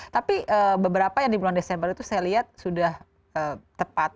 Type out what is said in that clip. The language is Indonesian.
tapi beberapa yang di bulan desember itu saya lihat sudah tepat